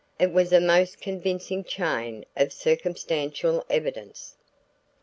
It was a most convincing chain of circumstantial evidence.